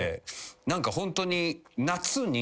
何かホントに。